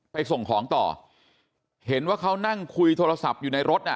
ส่งของต่อเห็นว่าเขานั่งคุยโทรศัพท์อยู่ในรถน่ะ